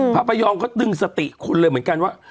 พระประยอมก็ดึงสติคุณเลยเหมือนกันว่า